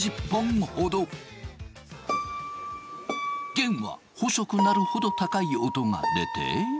弦は細くなるほど高い音が出て。